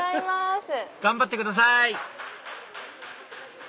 頑張ってください！